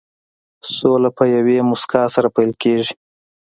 سوله په یوې موسکا سره پيل کېږي.